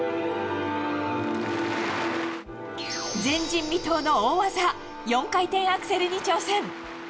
前人未到の大技４回転アクセルに挑戦。